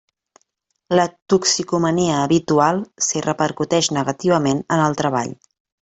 La toxicomania habitual si repercuteix negativament en el treball.